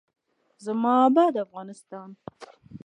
زما اباد افغانستان.